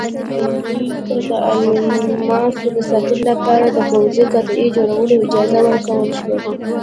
دوی ته د الماسو د ساتنې لپاره د پوځي قطعې جوړولو اجازه ورکړل شوه.